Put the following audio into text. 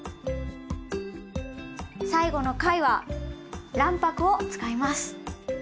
最後の回は卵白を使います。